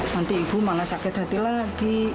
nanti ibu malah sakit hati lagi